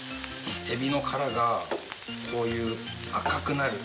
エビの殻がこういう赤くなる。